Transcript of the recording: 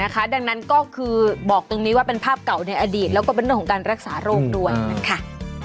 ดังนั้นก็คือบอกตรงนี้ว่าเป็นภาพเก่าในอดีตแล้วก็เป็นเรื่องของการรักษาโรคด้วยนะคะ